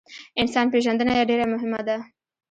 انسان پیژندنه ډیره مهمه ده